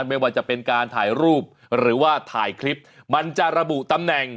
ไม่ว่าจะเป็นการถ่ายรูปหรือว่าถ่ายคลิปมันจะระบุตำแหน่ง